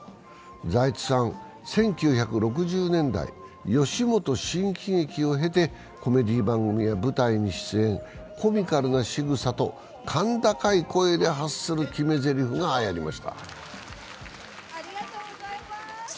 財津さん、１９６０年代、吉本新喜劇を経てコメディー番組や舞台に出演、コミカルなしぐさと甲高い声で発する決めぜりふが流行しました。